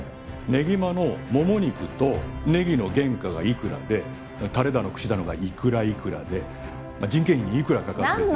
ねぎまのもも肉とネギの原価がいくらでタレだの串だのがいくらいくらで人件費にいくらかかってという。